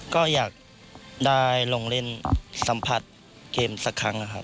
ก็อยากได้ลงเล่นสัมผัสเกมสักครั้งนะครับ